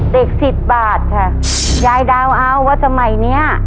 สิบบาทค่ะยายเดาเอาว่าสมัยเนี้ย